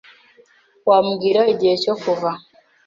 Wambwira igihe cyo kuva?